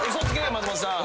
松本さん。